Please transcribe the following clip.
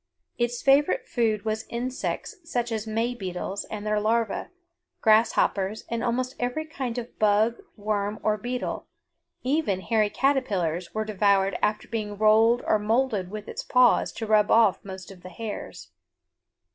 Its favorite food was insects such as May beetles and their larvæ, grass hoppers, and almost every kind of bug, worm, or beetle; even hairy caterpillars were devoured after being rolled or moulded with its paws to rub off most of the hairs.